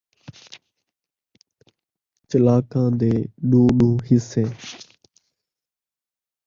چلاکاں دے ݙو ݙو حصے